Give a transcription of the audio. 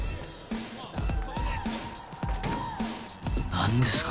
何ですか？